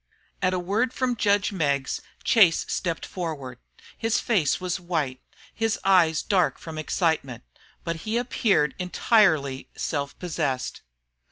At a word from judge Meggs, Chase stepped forward. His face was white, his eyes dark from excitement, but he appeared entirely self possessed.